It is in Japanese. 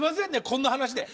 こんな話で。